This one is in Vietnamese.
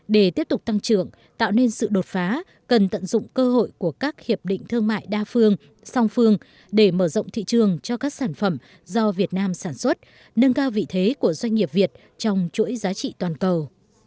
để tiếp tục tăng trưởng tạo nên sự đột phá cần tận dụng cơ hội của các hiệp định thương mại đa phương song phương để mở rộng thị trường cho các sản phẩm do việt nam sản xuất nâng cao vị thế của doanh nghiệp việt trong chuỗi giá trị toàn cầu